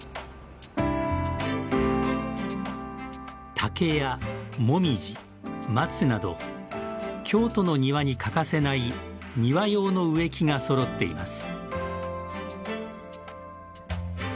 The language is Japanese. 竹やもみじ、松など京都の庭に欠かせない庭用の植木が、そろっています。